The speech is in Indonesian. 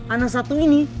anak satu ini